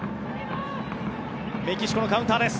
メキシコのカウンターです。